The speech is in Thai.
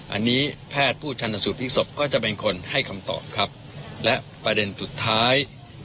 อันนี้แพทย์ผู้ชนสูตรพลิกศพก็จะเป็นคนให้คำตอบครับและประเด็นสุดท้าย